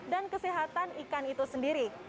dan kesehatan ikan itu sendiri